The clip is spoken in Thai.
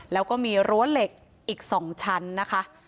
แล้วก็มีรั้วเหล็กอีก๒ชั้นนะคะ